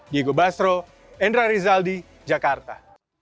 diego basro endra rizal di jakarta